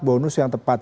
bonus yang tepat